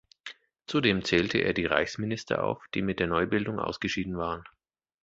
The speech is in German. Zudem zählte er die Reichsminister auf, die mit der Neubildung ausgeschieden waren.